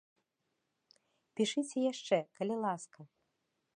Пішыце яшчэ, калі ласка!